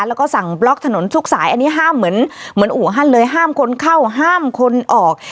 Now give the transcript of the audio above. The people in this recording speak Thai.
แล้วก็สั่งบล็อกถนนทุกสายอันนี้ห้ามเหมือนเหมือนอู่ฮั่นเลยห้ามคนเข้าห้ามคนออก